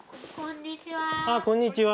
こんにちは。